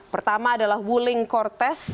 pertama adalah wuling cortez